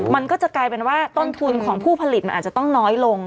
มันก็จะกลายเป็นว่าต้นทุนของผู้ผลิตมันอาจจะต้องน้อยลง